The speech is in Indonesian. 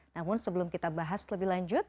namun sebelum kita bahas lebih lanjut